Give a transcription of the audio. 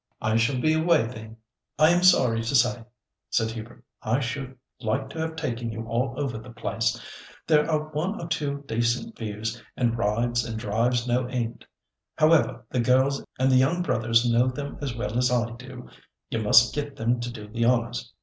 "I shall be away then, I am sorry to say," said Hubert. "I should like to have taken you all over the old place. There are one or two decent views, and rides and drives no end. However, the girls and the young brothers know them as well as I do; you must get them to do the honours.